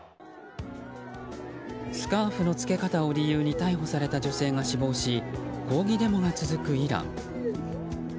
スカーフの着け方を理由に逮捕された女性が死亡し抗議デモが続くイラン。